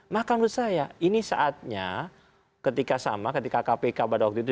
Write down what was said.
maka menurut saya ini saatnya ketika sama ketika kpk pada waktu itu